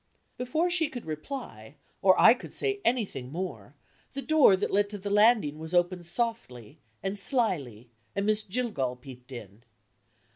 Before she could reply, or I could say anything more, the door that led to the landing was opened softly and slyly, and Miss Jillgall peeped in.